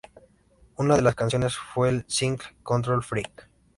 Una de las canciones fue el single "Control Freak".